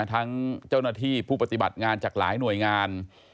ทั้งเจ้าหน้าที่ผู้ปฏิบัติงานจากหลายหน่วยงาน